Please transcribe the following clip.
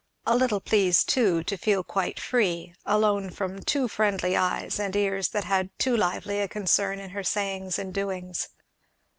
A little pleased too to feel quite free, alone from too friendly eyes, and ears that had too lively a concern in her sayings and doings.